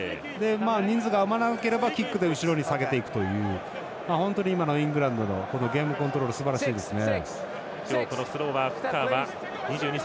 人数が余らなければキックで後ろに下げていくという本当に今のイングランドのゲームコントロールすばらしいですね。